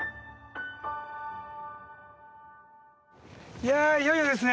いやいよいよですね。